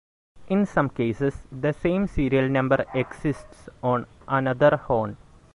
In some cases, the same serial number exists on another horn.